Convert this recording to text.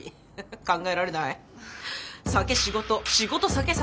考えられない。